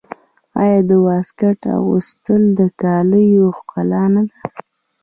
آیا د واسکټ اغوستل د کالیو ښکلا نه ده؟